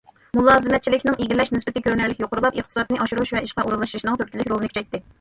مۇلازىمەتچىلىكنىڭ ئىگىلەش نىسبىتى كۆرۈنەرلىك يۇقىرىلاپ، ئىقتىسادنى ئاشۇرۇش ۋە ئىشقا ئورۇنلىشىشنىڭ تۈرتكىلىك رولىنى كۈچەيتتى.